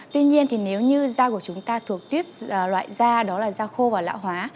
tuy nhiên thì nếu như da của chúng ta thuộc tuyếp loại da đó là da khô và lão hóa